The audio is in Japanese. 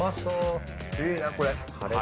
いいなこれ。